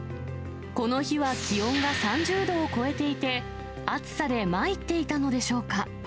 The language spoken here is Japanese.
この日は気温が３０度を超えていて、暑さで参っていたのでしょうか。